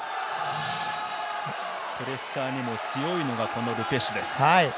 プレッシャーにも強いのがこのル・ペシュです。